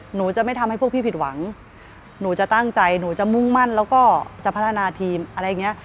หนูจะไม่ทำให้พวกพี่ผิดหวังหนูจะตั้งใจหนูจะมุ่งมั่นแล้วก็จะพัฒนาทีมอะไรอย่างเงี้ย